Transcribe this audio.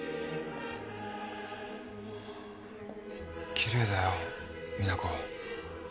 きれいだよ実那子。